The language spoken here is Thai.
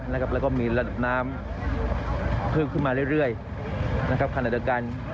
แล้วก็มีระดับน้ำเพิ่มขึ้นมาเรื่อยนะครับขณะเดียวกัน